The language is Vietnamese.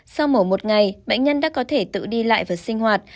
sau mổ một ngày bệnh nhân đã có thể tự đi lại và sinh hoạt